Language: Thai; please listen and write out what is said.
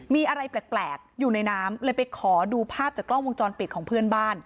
มีอะไรแปลกอยู่ในน้ำเลยไปขอดูภาพจากกล้องวงจรปิดของเพื่อนบ้าน